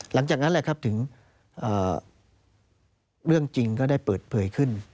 หลังจากนั้นแหละครับถึงเรื่องจริงก็ได้เปิดเผยขึ้น